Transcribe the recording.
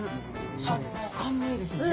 食感もいいですよね。